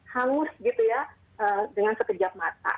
hangus gitu ya dengan sekejap mata